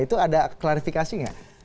itu ada klarifikasinya